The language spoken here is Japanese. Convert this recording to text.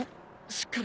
しっかり。